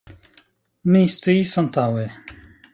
Mi sciis antaŭe.